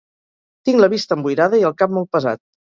Tinc la vista emboirada i el cap molt pesat.